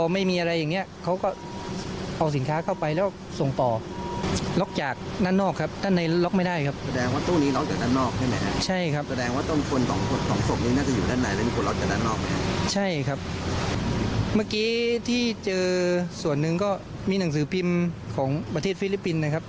เมื่อกี้ที่เจอส่วนหนึ่งก็มีหนังสือพิมพ์ของประเทศฟิลิปปินส์นะครับ